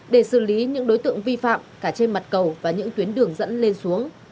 để xử lý những đối tượng vi phạm cả trên mặt cầu và những tuyến đường dẫn lên xuống